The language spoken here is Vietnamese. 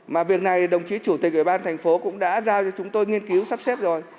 mà việc này đồng chí chủ tịch ủy ban thành phố cũng đã giao cho chúng tôi nghiên cứu sắp xếp rồi